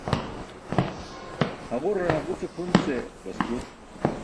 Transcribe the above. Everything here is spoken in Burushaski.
Haġurar haġuce kʰun ce baspur.